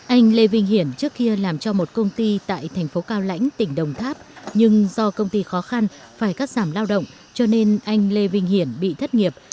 anh lê vinh hiển trước kia làm cho một công ty tại thành phố cao lãnh tỉnh đồng tháp nhưng do công ty khó khăn phải cắt giảm lao động cho nên anh lê vinh hiển bị thất nghiệp